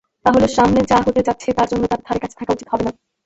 তাহলে সামনে যা হতে যাচ্ছে তার জন্য তার ধারেকাছে থাকা উচিত হবে না।